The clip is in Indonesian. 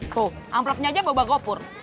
tuh amplopnya aja bawa bang gopur